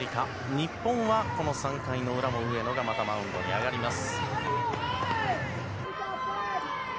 日本は、この３回の裏も上野がまたマウントに上がります。